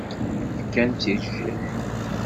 Fkan-tt i jjiḥ.